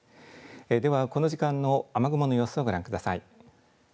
ではこの時間の雨雲の様子をご覧ください。